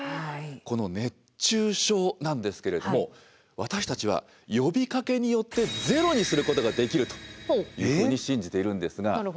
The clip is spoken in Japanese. この熱中症なんですけれども私たちは呼びかけによってゼロにすることができるというふうに信じているんですが。